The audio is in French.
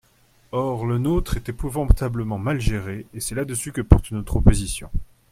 Or, le nôtre est épouvantablement mal géré, et c’est là-dessus que porte notre opposition.